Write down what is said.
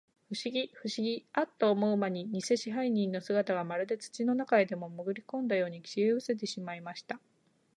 ふしぎ、ふしぎ、アッと思うまに、にせ支配人の姿が、まるで土の中へでも、もぐりこんだように、消えうせてしまいました。